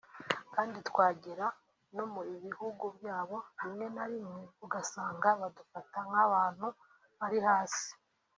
kandi twagera no mu bihugu byabo rimwe na rimwe ugasanga badufata nk’abantu bari hasi